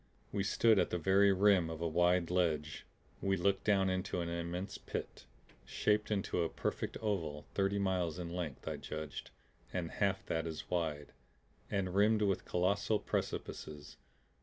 We stood at the very rim of a wide ledge. We looked down into an immense pit, shaped into a perfect oval, thirty miles in length I judged, and half that as wide, and rimmed with colossal precipices.